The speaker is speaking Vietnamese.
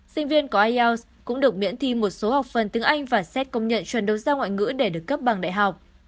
sinh viên có ielts cũng được miễn thi một số học phần tiếng anh và xét công nhận truyền đấu giao ngoại ngữ để được cấp bằng đại học